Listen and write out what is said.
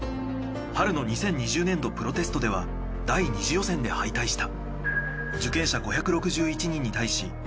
春の２０２０年度プロテストでは第２次予選で敗退した。